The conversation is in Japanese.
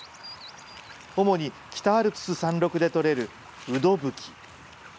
主に北アルプス山麓で採れるウドブキ。